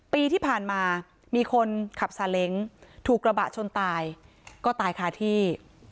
ปีที่ผ่านมามีคนขับซาเล้งถูกกระบะชนตายก็ตายคาที่